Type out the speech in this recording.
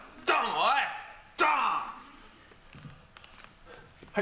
おい！